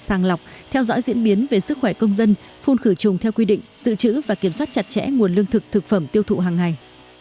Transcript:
sàng lọc theo dõi diễn biến về sức khỏe công dân phun khử trùng theo quy định dự trữ và kiểm soát chặt chẽ nguồn lương thực thực phẩm tiêu thụ hàng ngày